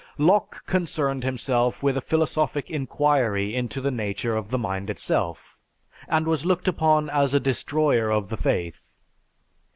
Locke concerned himself with a philosophic inquiry into the nature of the mind itself, and was looked upon as a destroyer of the faith.